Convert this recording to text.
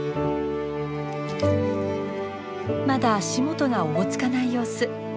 まだ足元がおぼつかない様子。